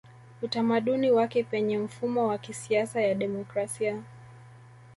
Utamaduni wake Penye mfumo wa kisiasa ya demokrasia